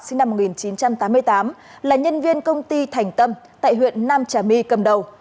sinh năm một nghìn chín trăm tám mươi tám là nhân viên công ty thành tâm tại huyện nam trà my cầm đầu